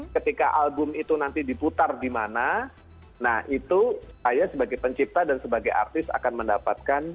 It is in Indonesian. ketika album itu nanti diputar di mana nah itu saya sebagai pencipta dan sebagai artis akan mendapatkan